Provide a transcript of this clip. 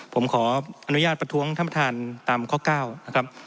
ผมขออนุญาตประท้วงท่านประธานตามข้อ๙นะครับ